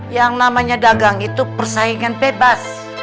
yang namanya dagang itu persaingan bebas